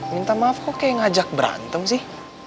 minta maaf kok kayak ngajak berantem sih